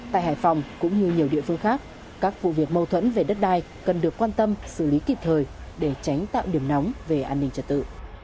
tại hải phòng cũng như nhiều địa phương khác các vụ việc mâu thuẫn về đất đai cần được quan tâm xử lý kịp thời để tránh tạo điểm nóng về an ninh trật tự